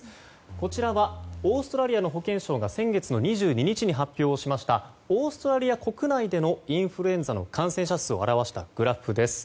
こちらは、オーストラリアの保健省が先月２２日に発表したオーストラリア国内でのインフルエンザの感染者数を表したグラフです。